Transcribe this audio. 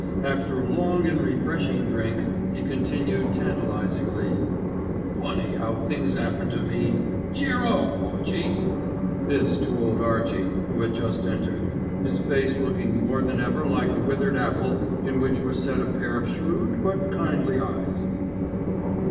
After a long and refreshing drink he continued tantalisingly— "Funny 'ow things 'appen to me. Cheer o! Archie," this to Old Archie who had just entered, his face looking more than ever like a withered apple in which were set a pair of shrewd, but kindly eyes.